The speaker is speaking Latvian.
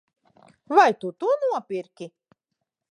Vai tu to nopirki?